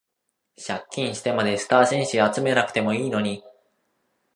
借金してまでスター選手集めなくてもいいのに